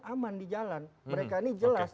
aman di jalan mereka ini jelas